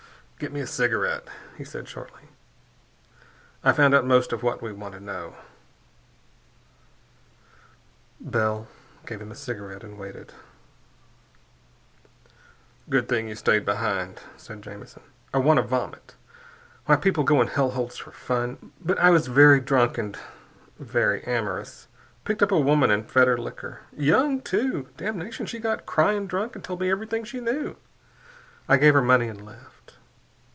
"Give me a cigarette," he said shortly. "I found out most of what we want to know." Bell gave him a cigarette and waited. "Good thing you stayed behind," said Jamison. "I want to vomit. Why people go in hell holes for fun.... But I was very drunk and very amorous. Picked up a woman and fed her liquor. Young, too. Damnation! She got crying drunk and told me everything she knew. I gave her money and left.